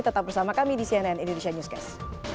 tetap bersama kami di cnn indonesia newscast